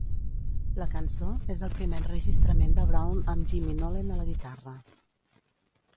La cançó és el primer enregistrament de Brown amb Jimmy Nolen a la guitarra.